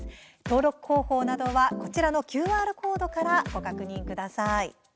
登録方法などはこちらのＱＲコードからご確認ください。